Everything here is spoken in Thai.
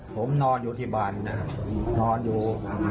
ผมนอนอยู่ที่บ้านนะครับนอนอยู่